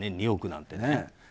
２億なんてね。